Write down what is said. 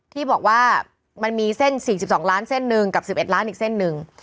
ที่บอกว่ามันมีเส้น๔๒ล้านเส้นหนึ่งกับ๑๑ล้านอีกเส้นหนึ่ง